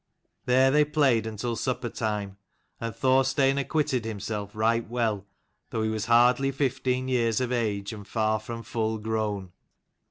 There they played until supper time, and Thorstein acquitted himself right well, though he was hardly fifteen years of age and far from full grown.